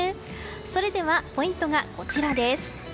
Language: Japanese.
それでは、ポイントがこちらです。